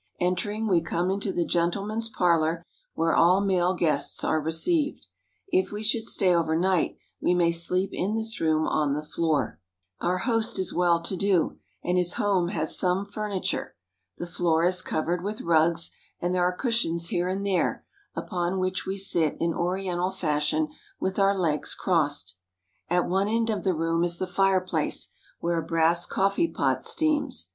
Entering, we come into the gentleman's parlor, where all male guests are received. If we should stay overnight, we may sleep in this room on the floor. Our host is well to do, and his home has some furniture. The floor is covered with rugs, and there are cushions here and there, upon which we sit in Oriental fashion with our legs crossed. At one end of the room is the fireplace, where a brass coffee pot steams.